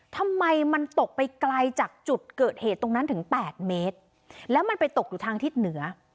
ทำไมมันตกไปไกลจากจุดเกิดเหตุตรงนั้นถึงแปดเมตรแล้วมันไปตกอยู่ทางทิศเหนือ